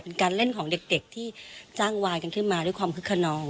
เป็นการเล่นของเด็กที่จ้างวานกันขึ้นมาด้วยความคึกขนอง